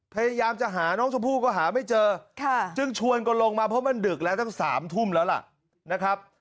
พยายามจะหาน้องชมพู่ก็หาไม่เจอจึงชวนกันลงมาเพราะมันดึกแล้วตั้ง๓ทุ่มแล้วล่ะนะครับ